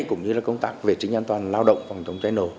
cũng như là công tác vệ sinh an toàn lao động phòng chống cháy nổ